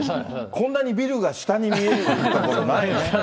こんなにビルが下に見えるって、これ、ないね。